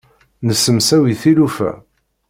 Nessemsawi tilufa.